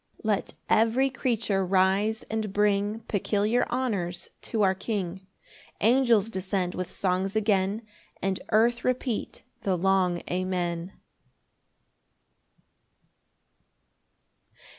8 Let every creature rise, and bring Peculiar honours to our King; Angels descend with songs again, And earth repeat the long Amen.